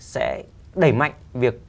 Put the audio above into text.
sẽ đẩy mạnh việc